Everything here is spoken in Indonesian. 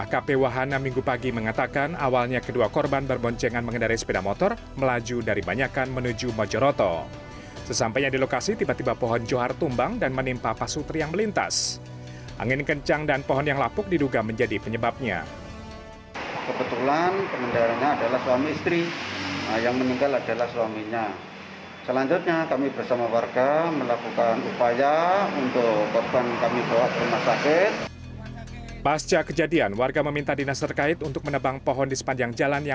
kepala res banyakan kediri kota